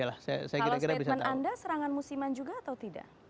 kalau statement anda serangan musiman juga atau tidak